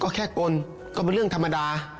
หลายคนอาจจะมองว่าก็แค่กลมันเป็นเรื่องธรรมดา